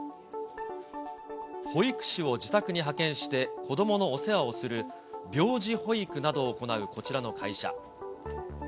保育士を自宅に派遣して、子どものお世話をする、病児保育などを行うこちらの会社。